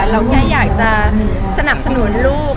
เราแค่อยากจะสนับสนุนลูก